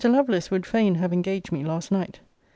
Lovelace would fain have engaged me last night.